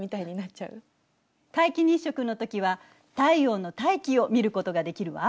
皆既日食のときは太陽の大気を見ることができるわ。